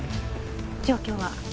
状況は？